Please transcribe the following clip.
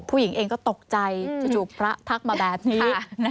ผู้หญิงเองก็ตกใจจู่พระทักมาแบบนี้